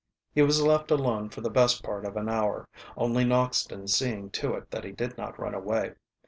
He was left alone for the best part of an hour, only Noxton seeing to it that he did not run away.